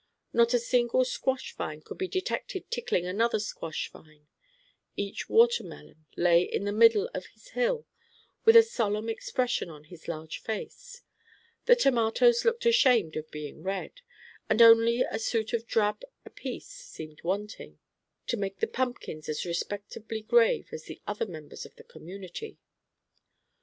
Not a single squash vine could be detected tickling another squash vine; each watermelon lay in the middle of his hill with a solemn expression on his large face; the tomatoes looked ashamed of being red; and only a suit of drab apiece seemed wanting, to make the pumpkins as respectably grave as the other members of the community.